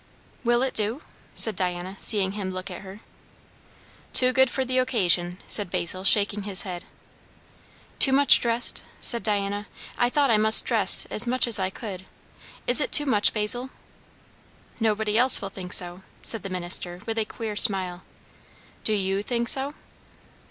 "Will it do?" said Diana, seeing him look at her. "Too good for the occasion!" said Basil, shaking his head. "Too much dressed?" said Diana. "I thought I must dress as much as I could. Is it too much, Basil?" "Nobody else will think so," said the minister with a queer smile. "Do you think so?"